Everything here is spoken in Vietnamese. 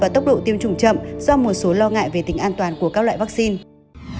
tốc độ tiêm chủng chậm do một số lo ngại về tính an toàn của các loại vaccine